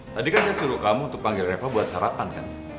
tadi kan saya suruh kamu untuk panggil reva buat caratan kan